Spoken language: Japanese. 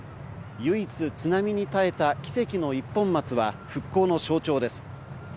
唯一、津波に耐えた奇跡の一本松は復興の象徴です。